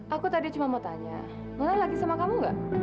aku tadi cuma mau tanya ngela lagi sama kamu gak